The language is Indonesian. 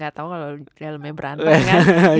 gak tau kalo dia lemih berantem kan